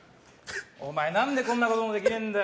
お前何でこんなこともできねえんだよ。